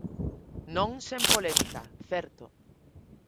Non sen polémica, certo.